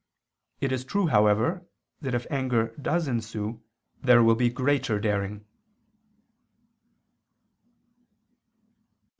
It is true, however, that if anger does ensue, there will be greater daring.